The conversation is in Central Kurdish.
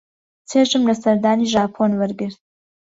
چێژم لە سەردانی ژاپۆن وەرگرت.